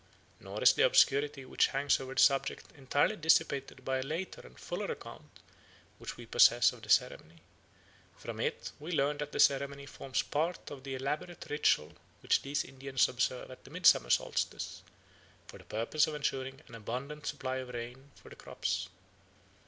Nor is the obscurity which hangs over the subject entirely dissipated by a later and fuller account which we possess of the ceremony. From it we learn that the ceremony forms part of the elaborate ritual which these Indians observe at the midsummer solstice for the purpose of ensuring an abundant supply of rain for the crops.